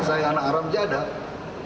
saya anak aram jadah